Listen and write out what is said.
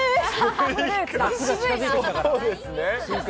夏が近づいてきたから。